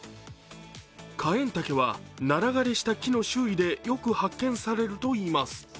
カエンタケはナラ枯れした木の周囲でよく発見されるといいます。